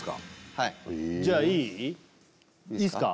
はいじゃあいい？いいですか？